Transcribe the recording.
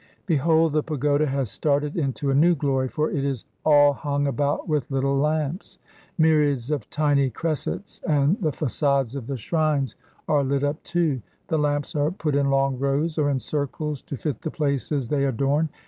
Behold, the pagoda has started into a new glory, for it is all hung about with little lamps, myriads of tiny cressets, and the façades of the shrines are lit up, too. The lamps are put in long rows or in circles, to fit the places they adorn.